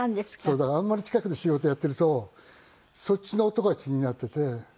だからあんまり近くで仕事やっているとそっちの音が気になっていて。